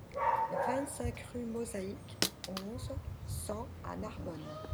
vingt-cinq rue Mosaïque, onze, cent à Narbonne